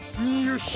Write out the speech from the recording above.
よし！